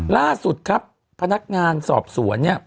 ล่าสุดครับพนักงานสอบสวน